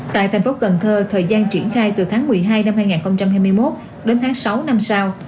tại thành phố cần thơ thời gian triển khai từ tháng một mươi hai năm hai nghìn hai mươi một đến tháng sáu năm sau